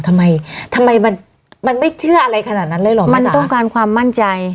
ทำไมทำไมมันมันไม่เชื่ออะไรขนาดนั้นเลยเหรอมันต้องการความมั่นใจ